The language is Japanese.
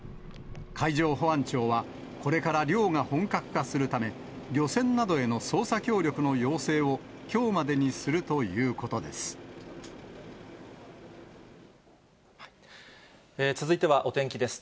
海上保安庁は、これから漁が本格化するため、漁船などへの捜査協力の要請を、きょうまでにするということです。